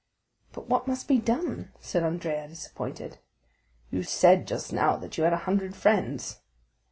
"But what must be done?" said Andrea, disappointed. "You said just now that you had a hundred friends."